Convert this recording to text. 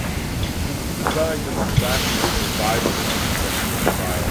It was designed in the Classical Revival architectural style.